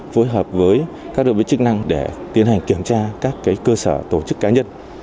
phối hợp với các đơn vị chức năng để tiến hành kiểm tra các cơ sở tổ chức cá nhân